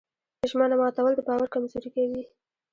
ژمنه ماتول د باور کمزوري کوي.